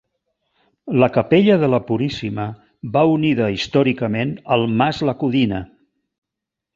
La capella de la Puríssima, va unida històricament al mas la Codina.